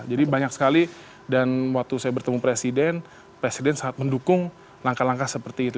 jadi banyak sekali dan waktu saya bertemu presiden presiden sangat mendukung langkah langkah seperti itu